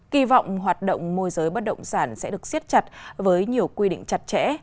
kỳ vọng hoạt động môi giới bất động sản sẽ được siết chặt với nhiều quy định chặt chẽ